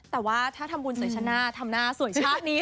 แต่ว่าถ้าทำบุญสวยชาติหน้าทำหน้าสวยชาตินี้